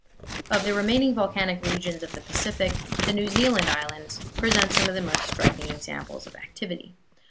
Of the remaining volcanic regions of the Pacific, the New Zealand islands present some of the most striking examples of activity.